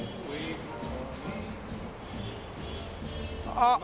あっ！